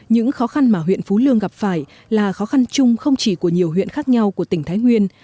những khó khăn mà huyện phú lương gặp phải là khó khăn chung không chỉ của nhiều huyện khác nhau của tỉnh thái nguyên